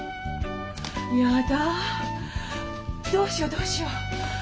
やだどうしようどうしよう。